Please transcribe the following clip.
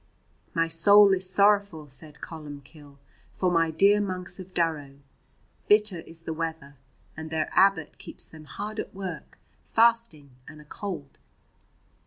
"My soul is sorrowful," said Columbcille, "for my dear monks of Durrow. Bitter is the weather, and their abbot keeps them hard at work, fasting and a cold."